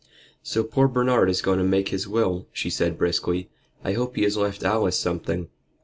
"So poor Bernard is going to make his will," she said briskly. "I hope he has left Alice something."